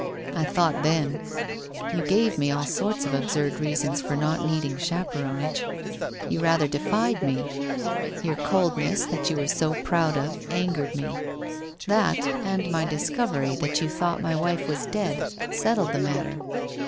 I thought then You gave me all sorts of absurd reasons for not needing chaperonage. You rather defied me. Your coldness, that you were so proud of, angered me. That and my discovery that you thought my wife was dead settled the matter.